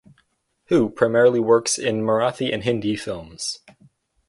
Who primarily works in Marathi and Hindi films.